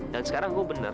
dan sekarang saya benar